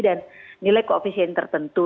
dan nilai koefisien tertentu